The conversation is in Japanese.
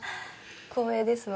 光栄ですわ。